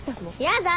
やだ！